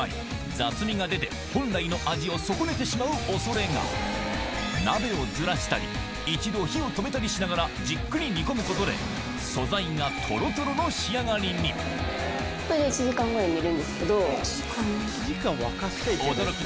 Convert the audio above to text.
雑味が出て本来の味を損ねてしまう恐れが鍋をずらしたり一度火を止めたりしながらじっくり煮込むことで素材がトロトロの仕上がりに１時間煮る。